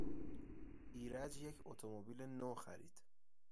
ایرج یک اتومبیل نو خرید.